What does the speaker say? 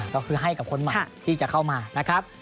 ก็คือให้กับคนใหม่ที่จะเข้ามานะครับ